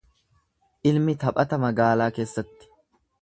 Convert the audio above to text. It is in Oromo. Ilmi taphata magaalaa keessatti.